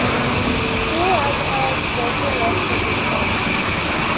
Phil agonises over the loss of his son.